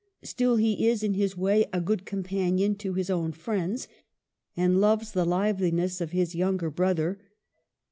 Still, he is, in his way, a good companion to his own friends, and loves the liveliness of his younger brother.